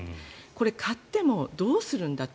これ、買ってもどうするんだと。